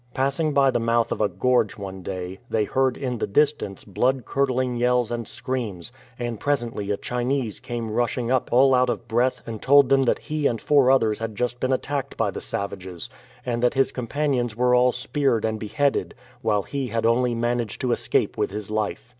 Passing by the mouth of a gorge one day, they heard in the distance blood curdling yells and screams, and presently a Chinese came rushing up all out of breath and told them that he and four others had just been attacked by the savages, and that his companions were all speared and beheaded, while he had only managed to escape with his life.